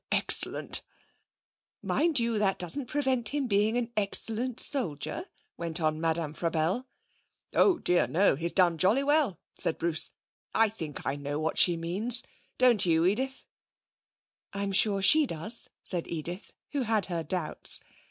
Excellent!' 'Mind you, that doesn't prevent him being an excellent soldier,' went on Madame Frabelle. 'Oh dear, no. He's done jolly well,' said Bruce. 'I think I know what she means don't you, Edith?' 'I'm sure she does,' said Edith, who had her doubts.